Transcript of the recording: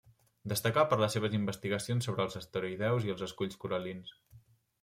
Destacà per les seves investigacions sobre els asteroïdeus i els esculls coral·lins.